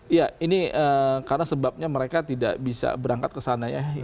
iya ini karena sebabnya mereka tidak bisa berangkat ke sana ya